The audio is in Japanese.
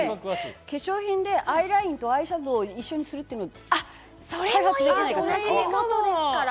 化粧品でアイラインとアイシャドウを一緒にするっていうのは開発できないかしら？